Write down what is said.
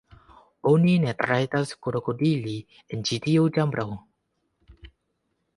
Oni ne rajtas krokodili en ĉi tiu ĉambro.